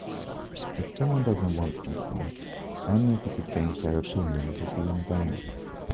If someone doesn’t want something, any effort to change their opinion will be in vain.